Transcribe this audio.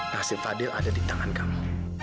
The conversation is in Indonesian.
nasib fadil ada di tangan kamu